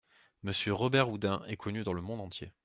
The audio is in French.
Monsieur Robert-Houdin est connu dans le monde entier.